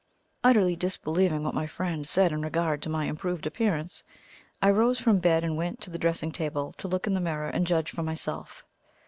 Utterly disbelieving what my friend said in regard to my improved appearance, I rose from the bed and went to the dressing table to look in the mirror and judge for myself.